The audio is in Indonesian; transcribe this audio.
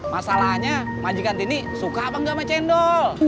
masalahnya majikan tini suka apa gak sama cendol